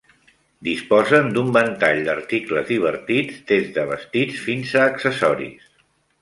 Disposen d'un ventall d'articles divertits, des de vestits fins a accessoris.